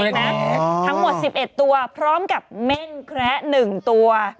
ทั้งหมด๑๑ตัวพร้อมกับเม่นแคระ๑ตัว